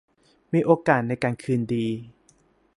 มีโอกาสในการคืนดี